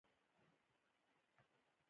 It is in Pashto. بيا ځلې له ناخوښو حالاتو تېرېږي.